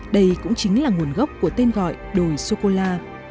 đây cũng chính là nguồn gốc của tên gọi đồi sô cô la